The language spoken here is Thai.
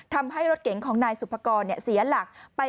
ทำให้รถเก๋งของนายสุภกรเสียหลักไป